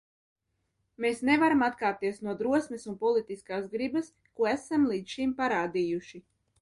Mēs nevaram atkāpties no drosmes un politiskās gribas, ko esam līdz šim parādījuši.